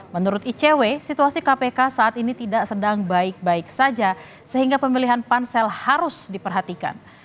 menurut icw situasi kpk saat ini tidak sedang baik baik saja sehingga pemilihan pansel harus diperhatikan